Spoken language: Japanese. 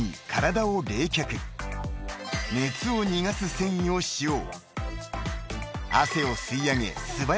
［熱を逃がす繊維を使用］